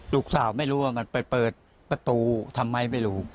ลูกสาวไม่รู้ว่ามันไปเปิดประตูทำไมไม่รู้